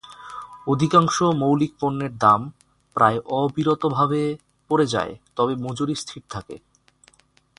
অধিকাংশ মৌলিক পণ্যের দাম প্রায় অবিরতভাবে পড়ে যায়; তবে, মজুরি স্থির থাকে।